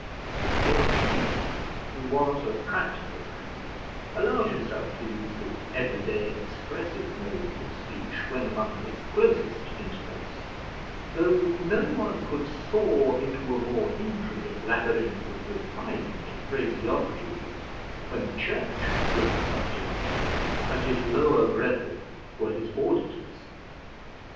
The archdeacon, who was a practical man, allowed himself the use of everyday expressive modes of speech when among his closest intimates, though no one could soar into a more intricate labyrinth of refined phraseology when the church was the subject, and his lower brethren were his auditors.